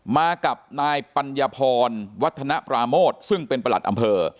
มากับนายปัญญาพรวัฒนปราโมทซึ่งเป็นประหลัดอำเภอ